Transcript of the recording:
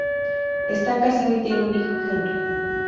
Está casado y tiene un hijo, Henry.